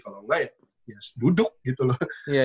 kalau enggak ya duduk gitu loh